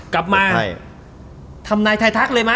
กลับมาทำนายไทยทักเลยมั้ย